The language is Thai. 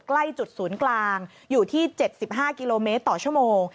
ใกล้จุดศูนย์กลางอยู่ที่๗๕กิโลเมตรต่อชั่วโมง